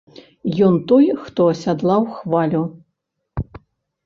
Ён той хто, асядлаў хвалю.